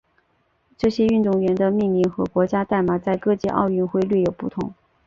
这些运动员的命名和国家代码在各届奥运会略有不同。